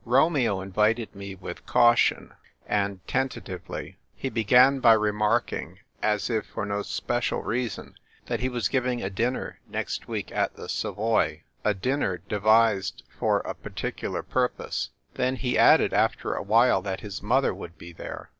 Romeo invited me with caution, and teiita tively. He began by remarking, as if for no special reason, that he was giving a dinner next week at the Savoy — a dinner devised for A DRAWN BATTLE. 1/7 a particular purpose. Then he added after a while that his mother would be there.